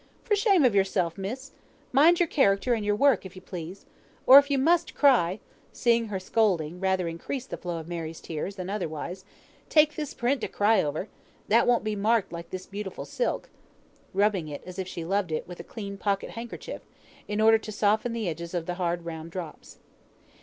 For shame of yourself, miss. Mind your character and your work if you please. Or, if you must cry" (seeing her scolding rather increased the flow of Mary's tears, than otherwise), "take this print to cry over. That won't be marked like this beautiful silk," rubbing it, as if she loved it, with a clean pocket handkerchief, in order to soften the edges of the hard round drops.